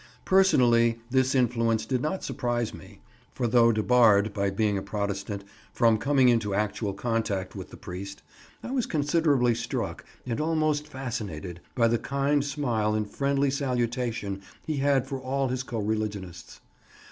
Personally this influence did not surprise me, for though debarred, by being a Protestant, from coming into actual contact with the priest, I was considerably struck, and almost fascinated, by the kind smile and friendly salutation he had for all his co religionists.